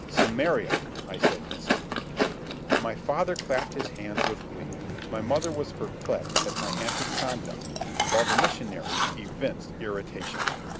"Samaria," I said instantly. My father clapped his hands with glee, my mother was perplexed at my antic conduct, while the missionary evinced irritation.